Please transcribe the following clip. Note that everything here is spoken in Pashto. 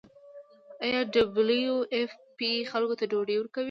آیا ډبلیو ایف پی خلکو ته ډوډۍ ورکوي؟